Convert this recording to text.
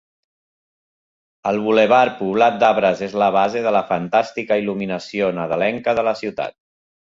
El bulevard poblat d'arbres és la base de la fantàstica il·luminació nadalenca de la ciutat.